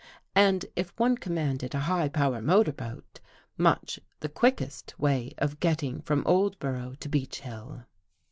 And, If one com manded a high power motor boat, much the quick est way of getting from Oldborough to Beech Hill.